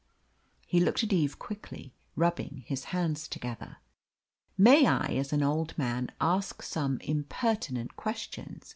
He looked at Eve quickly, rubbing his hands together. "May I, as an old man, ask some impertinent questions?"